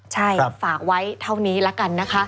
ใช่ฝากไว้เท่านี้ละกันนะคะ